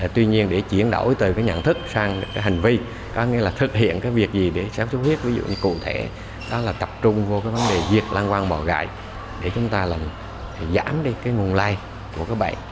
tuy nhiên để chuyển đổi từ cái nhận thức sang cái hành vi có nghĩa là thực hiện cái việc gì để xuất xuất huyết ví dụ như cụ thể đó là tập trung vô cái vấn đề diệt lăn quăng bỏ gậy để chúng ta làm giảm đi cái nguồn lai của cái bệnh